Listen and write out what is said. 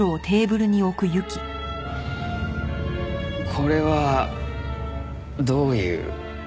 これはどういう？